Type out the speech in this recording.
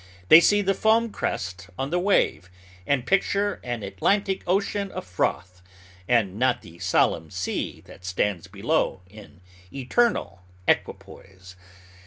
They see the foam crest on the wave, and picture an Atlantic Ocean of froth, and not the solemn sea that stands below in eternal equipoise.